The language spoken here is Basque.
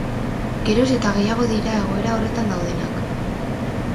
Geroz eta gehiago dira egoera horretan daudenak.